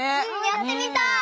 やってみたい！